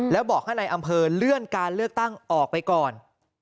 แล้วบอกให้ในอำเภอเลื่อนการเลือกตั้งออกไปก่อน